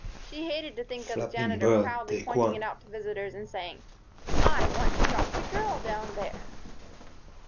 She hated to think of the Janitor proudly pointing it out to visitors and saying: "I once dropped a girl down there."